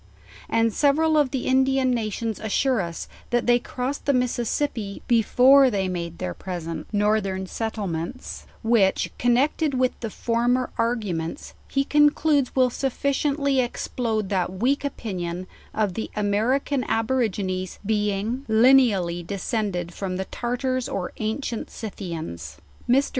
And several of the Indian nations assure us, that they crossed the Mississippi before they made their present northern settlements; which, connected with the former ar guments, he concludes will sufficiently explode that weak opinion of the American Aborigines being lineally descend ed from the Tartars or ancient Scythians. Mr.